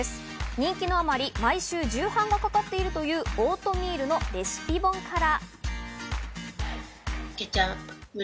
人気のあまり毎週、重版がかかっているというオートミールのレシピ本から。